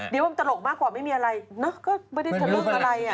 ดิว่ามันตลกมากกว่าไม่มีอะไรเนอะก็ไม่ได้ทำเรื่องอะไรอ่ะ